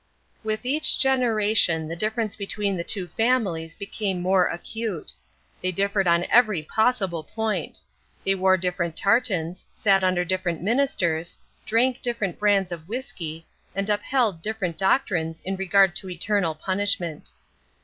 With each generation the difference between the two families became more acute. They differed on every possible point. They wore different tartans, sat under different ministers, drank different brands of whisky, and upheld different doctrines in regard to eternal punishment.